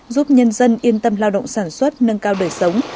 giúp nhân dân yên tâm lao động sản xuất nâng cao đời sống